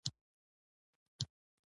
مچمچۍ چیچلی ځای درد کوي